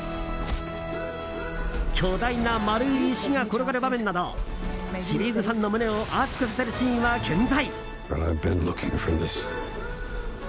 巨大な丸い石が転がる場面などシリーズファンの胸を熱くさせるシーンは健在！